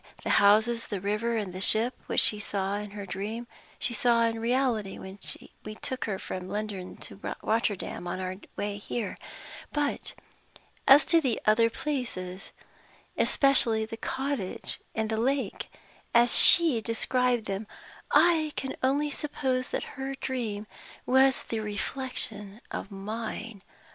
The houses, the river, and the ship which she saw in her dream, she saw in the reality when we took her from London to Rotterdam, on our way here. But as to the other places, especially the cottage and the lake (as she described them) I can only suppose that her dream was the reflection of mine.